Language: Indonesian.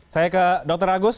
saya ke dr agus